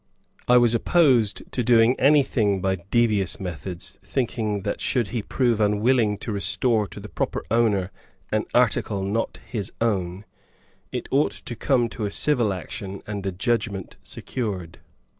I was opposed to doing anything by devious methods, thinking that should he prove unwilling to restore to the proper owner an article not his own, it ought to come to a civil action and a judgment secured.